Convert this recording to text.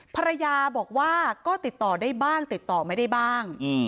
ภรรยาบอกว่าก็ติดต่อได้บ้างติดต่อไม่ได้บ้าง